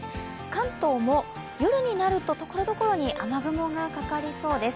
関東も夜になるとところどころに雨雲がかかりそうです。